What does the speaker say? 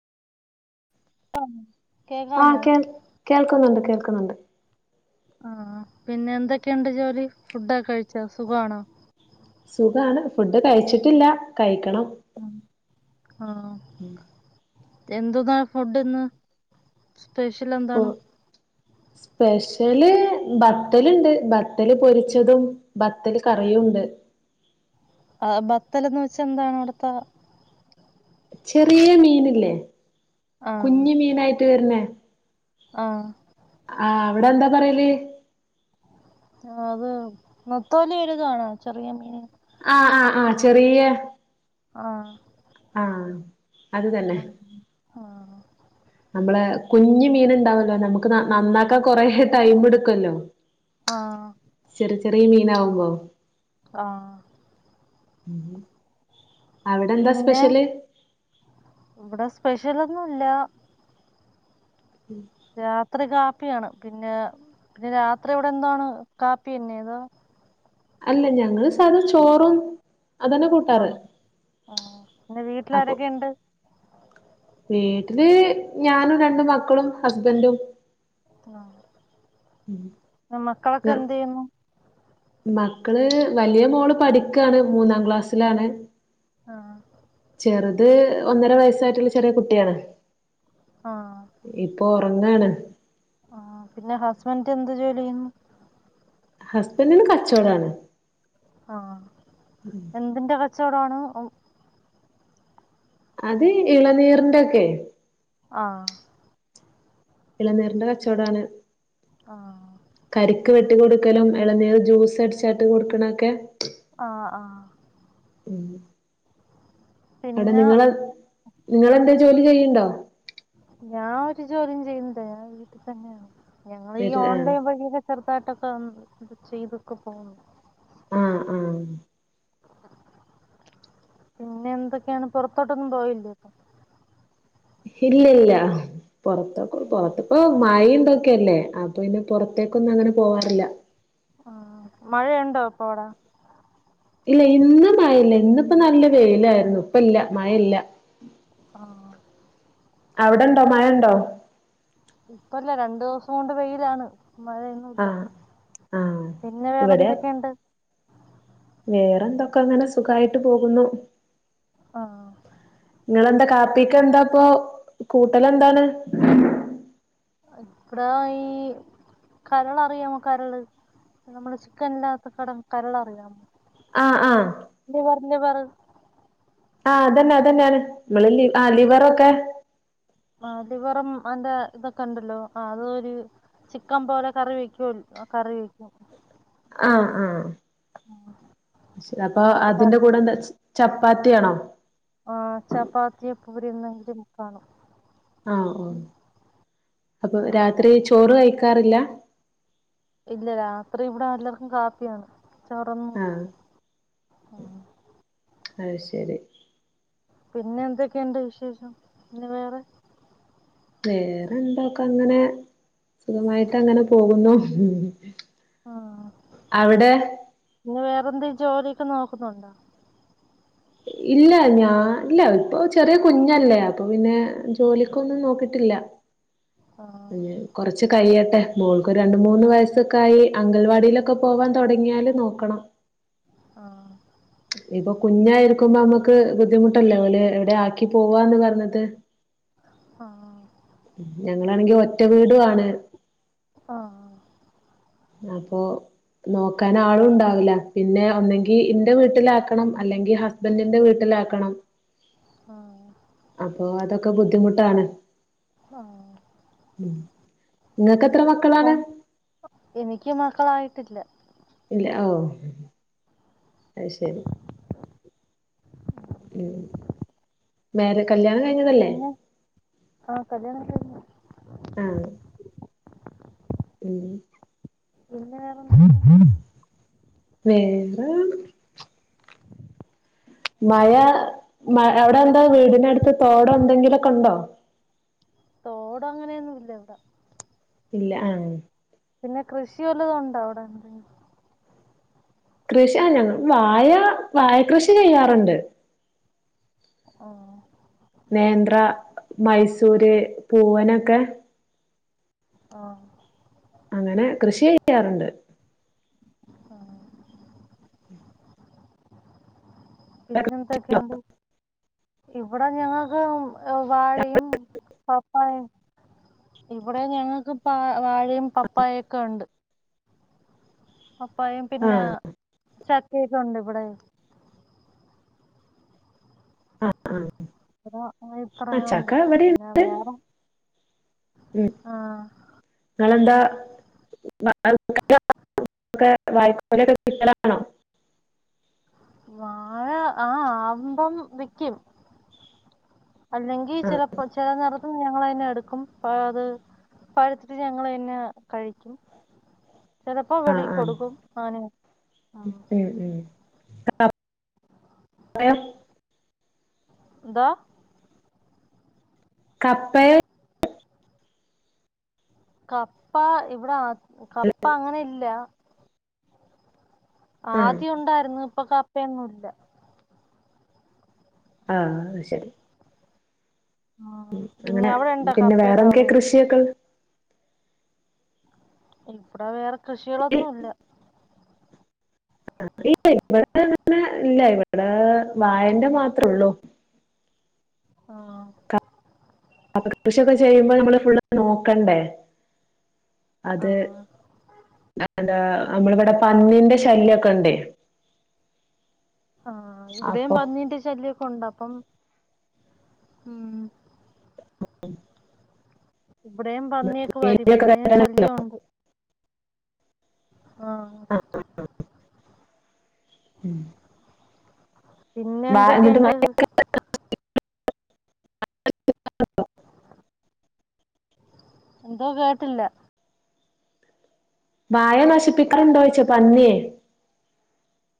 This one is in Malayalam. [unintelligible] ആഹ കേക്കാമോ കേ കേൾക്കുന്നുണ്ട് കേൾ കൊക്കുന്നുണ്ട് ആഹ പിന്നെ എന്തൊക്കെയുണ്ട് ജോലി ഫുഡൊക്കെ കഴിച്ച സുഖമാണോ സുഖമാണ് ഫുഡ് കഴിച്ചിട്ടില്ല കഴിക്കണം ഉ ആഹ ഉം എന്തന്നാ ഫുഡ്ന്ന് സ്പെഷ്യൽ ഫു എന്താണ് സ്പെഷ്യല് ബത്തൽ പൊരിച്ചതും ബത്തല് കറിയും ഉണ്ട് ആ ബത്തൽന്ന് വെച്ചാ എന്താണ് അവിടത്തെ ചെറിയ മീനല്ലേ ആഹ് കുഞ് മീനായിട്ട് വര്നെ ആഹ് വടെന്താ പറയല്? അത് നത്തോലിര്ഗാണോ ചെറിയ മീൻ ആഹ് ആഹ് ആഹ് ചെറിയ ആഹ് ആഹ് അത് തന്നെ. ആഹ് ആഹ് നമ്മള് കുഞ്ഞ് മീന് ഇണ്ടാവല്ലോ നമുക്ക് നന്നാക്കാൻ കൊറേ ടൈമ് ഇട്ക്കൊല്ലോ. ആഹ് ചെറിയ ചെറിയ മീനാവും. വൗ ആഹ് ഉ ഹും അവിടെ എന്താ പിന്നെ സ്പെഷ്യല്? പെഷ്യലൊന്നുല്ല ഉം രാത്രി കാപ്പിയാണ് പിന്നെ പിന്നെ രാത്രി ഇവിടെ എന്താണ് കാപ്പി തന്നെ അതോ അല്ല ഞങ്ങള് സാധ ചോറും അതന്നെ കൂട്ടാറ് ആഹ് ആഹ് പിന്നെ വീട്ടിൽ അപ്പൊ ആരൊക്കെ ഇണ്ട്? വീട്ടില് ഞാനും രണ്ടു മക്കളും ഹസ്ബൻ്റും. ആഹ് മക്കളൊക്കെ എന്ത് ചെയ്യുന്നു? മക്കള് വലിയ മോള് പഠിക്കാണ് മൂന്നാം ക്ലാസ്സിലാണ്. ആ ചെറ്ത് അത് ഒന്നര വയസ്സായിട്ടുള്ള ചെറിയ കുട്ടിയാണ് ആ ഇപ്പൊ ഒറങ്ങാണ് ആ പിന്നെ ഹസ്ബൻഡ് എന്ത് ജോലി ചെയ്യുന്നു ഹസ്ബൻഡന് കച്ചവടമാണ് ആ എന്തിന്റെ കച്ച ചൊടോണം അത് ഇളനീറിന്റെൊക്കെ ആഹ് ഇളനേറിന്റെ കച്ചവടാണ് ആഹ് ഇട്ട് കൊടുക്കലും ഇളനീർ ജ്യൂസ് അടിച്ചാട്ട് കൊടുക്കണൊക്കെ ആ ആ മ് അടെ പിന്നെ നിങ്ങളെ നിങ്ങളെന്താ ജോലി ചെയ്യണ്ടോ ഞാൻ ഒരു ജോലിയും ചെയ്യണ്ട് വീട്ടിൽ തന്നെയാണ് ഞങ്ങളീ വീട്ടില് ആഹ് ഓൺലൈൺവഴിക്കെ ചെറുതായിട്ടൊക്കെ ഇത് ചെയ്തുക്ക പോകുന്നു ആ ആ പിന്നെ എന്തൊക്കെയാണ് പുറത്തോട്ടൊന്നും പോയില്ലേ ഇല്ലില്ല പുറത്തക്ക പുറത്ത് ഇപ്പ മൈ തൊക്കെല്ലേ അപ്പൊ പിന്നെ പുറത്തേക്കൊന്നും അങ്ങനെ പോവാറില്ല ആ മഴയുണ്ടോ ഇപ്പൊ അവിട ഇല്ല ഇന്ന് മഴ ഇല്ല ഇന്നിപ്പ നല്ല വെയിലായിരുന്നു ഇപ്പ ഇല്ല മഴ ഇല്ല ആ അവിടെണ്ടോ മഴ ഉണ്ടോ ഇപ്പല്ല രണ്ടു ദിവസം കൊണ്ട് വെയിലാണ് മഴൊന്നുംല്ല ആഹ് ആഹ് പിന്നെ വേറെന്തൊക്കെയുണ്ട് വേറെ എന്തൊക്കെ അങ്ങനെ സുഖായിട്ട് പോകുന്നു ആ നിങ്ങളെന്താ കാപ്പിക്ക് എന്താപ്പൊ കൂട്ടലെന്താണ് ഇപ്പടാ ഈ കരളറിയാമോ കരള് നമ്മള് ചിക്കൻൻ്റാത്തെ കടം കരളറിയാമോ ആ ആ പിന്നെ പറ ആ അതന്നെ അതന്നെയാണ് നമ്മള് ലിവ് ആ ലിവറൊക്കെ ആ ലിവറും അന്റെ ഇതൊക്കെ ഉണ്ടല്ലോ അതൊ ഒരു ചിക്കൻ പോലെ കറി വെക്കൂ കറി വെക്കും ആ ആ ശരി അപ്പൊ അങ്ങനത്തെ കറി അതിന്റെ കൂടെ വെക്കണം എന്താ പാറ്റിയാണോ ആ ചപ്പാത്തിയ പൂരുന്നെങ്കും [unintelligible] കാണും ആ ആ അപ്പൊ ആ രാത്രി ചോറ് കഴിക്ക ക്കാറില്ല ഇല്ല രാത്രി ഇവിടെ എല്ലാവർക്കും കാപ്പിയാണ് ചോറൊന്നും ആഹ് അത് ശരി പിന്നെ എന്തൊക്കെയുണ്ട് വിശേഷം പിന്നെ വേറെ വേറെന്തോക്കെ അങ്ങനെ സുഖമായിട്ട് അങ്ങനെ പോകുന്നു ആ അവിടെ ന്ത് ജോലിയൊക്കെ നോക്കുന്നുണ്ടോ ഇല്ല ഞാൻ ഇല്ല ഇപ്പൊ ചെറിയ കുഞ്ഞല്ലേ അപ്പൊ പിന്നെ ജോലിക്കൊന്ന് നോക്കിട്ട് ഇല്ല ആ കുറച്ച് കഴിയട്ടെ മോൾക്ക് രണ്ട് മൂന്ന് വയസ്സക്കായി അങ്കൽവാടിയിലൊക്കെ പോവാൻ തുടങ്ങിയാല് നോക്കണം ആ ഇപ്പോ കുഞ്ഞായി ക്കുമ്പോ നമുക്ക് ബുദ്ധിമുട്ടല്ലേ ഓലേ എവിടെ ആക്കി പോവാന്ന് പറഞ്ഞത് ഉം ഞ നിങ്ങളാണെങ്കിൽ ഒറ്റ വീടുവാണ് ആ ആ അപ്പൊ നോക്കാൻ ആളും ഉണ്ടാവില്ല പിന്നെ ഒന്നെങ്കി എന്റെ വീട്ടിലാക്കണം അല്ലെങ്കിൽ ഹസ്ബൻഡിന്റെ വീട്ടിലാക്കണം ഉം അപ്പൊ അതൊക്കെ ഒക്കെ ബുദ്ധിമുട്ടാണ് ആ നിങ്ങക്ക് എനിക്ക് മക്കളായിട്ടില്ല ഇല്ല ഓ അ ശരി ഉം വേറെ കല്യാണം കഴിഞ്ഞതല്ലേ പിന്നെ ആ കല്യാണം കഴിഞ്ഞു ആഹ് ഉം പിന്നെ വേറെന്താ വേറെ മഴ അവിടെ എന്താ വീടിനടുത്ത് തോടോ എന്തെങ്കിലൊക്കെ ഉണ്ടോ തോടോ അങ്ങനെയൊന്നും ഇല്ല ഇവിടെ ഇല്ല ആ പിന്നെ കൃഷി വല്ലതും ഉണ്ടോ അവിടെ എ കൃഷിയാ ഞങ്ങൾ വാഴ വാഴ കൃഷി ചെയ്യാറുണ്ട് ആഹ് നേന്ത്ര മൈസൂര് പൂവനൊക്കെ ആ അങ്ങനെ കൃഷി ചെയ്യാറുണ്ട് ആഹ് പിന്നെന്തൊക്കെയുണ്ട് ഇവിടെ എന്ന ഞങ്ങക്ക് വാഴയും പപ്പായും ഇവിടെ ഞങ്ങൾക്ക് പ വാഴയും പപ്പായയൊക്കെ ഉണ്ട് പപ്പായയും പിന്നെ ആഹ് കേക്കണണ്ടോ ഇവിടെ ആഹ് ആഹ് ആ ആഹ് ഇത്രയുമുണ്ട് ചക്ക ഇവിടെയും പിന്നെ വേറെ ആ നിങ്ങെന്താ [unintelligible] വായ്പൊക്കെ കിട്ടലാണോ വാഴ ആ ആകുമ്പം വിയ്ക്കും അല്ലെങ്കിൽ ആഹ് ചിലപ്പോ ചില നിറ ഞങ്ങൾ തന്നെ എടുക്കും പ അത് പഴുത്തിട്ട് ഞങ്ങൾ തന്നെ കഴിക്കും ചിലപ്പോ ആഹ് വെളി ആഹ് കൊടുക്കും ആങ്ങനെ ആ ഉം ഉം പറയാ [unintelligible] എന്താ കപ്പേ കപ്പ ഇവിട അ കപ്പ അങ്ങനെ ഇല്ല. ആഹ് ആദ്യം ഉണ്ടായിരുന്നു ഇപ്പൊ ക [unintelligible] എങ്ങുല്ല ആഹ് അത് ശരി ഉം. മ് പിന്നെ അങ്ങനെ അവിടെ ഉണ്ടോ പിന്നെ കപ്പയൊക്കെ വേറെ അവിടെ [unintelligible] ഉണ്ട്. കൃഷിയൊക്കെ ഇപ്പോ വേറെ ഇ- കൃഷികളൊന്നും ഇല്ല [inaudible] ഇല്ല ഇവിടെ വായെന്റെ മാത്രേള്ളൂ ആ, [inaudible] കൃഷിയൊക്ക ചെയ്യുമ്പ നമ്മള് ഫുള്ള് നോക്കണ്ടേ ആ, അത് [unintelligible] നമ്മളിവിടെ പന്നിന്റെ ശല്യൊക്കെ ഇണ്ടേ ആഹ് ഇവിടെയും പന്നീന്റെ ശല്യോക്കെ ഒണ്ട [unintelligible] മ്ഹ് [unintelligible] ഇവിടെയും പന്നിയൊക്കെ വരും വേലിയൊക്കെ ഇവിടെയും കെട്ടാൻ ശല്യം ഒണ്ട് ആഹ് ഉം പിന്നെ എന്തൊക്കെയുണ്ട് [unintelligible] എന്തോ കേട്ടില്ല. വായ നശിപ്പിക്കാറുണ്ടോ യ്ച്ച പന്നിയെ?